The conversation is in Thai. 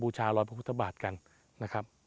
ชารอยพระพุทธบาทกันนะครับ